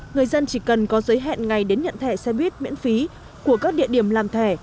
người dân chỉ cần có giới hẹn ngày đến nhận thẻ xe buýt miễn phí của các địa điểm làm thẻ